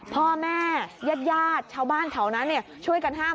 พ่อแม่ญาติชาวบ้านแถวนั้นช่วยกันห้าม